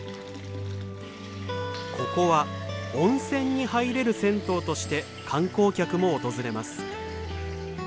ここは温泉に入れる銭湯として観光客も訪れます。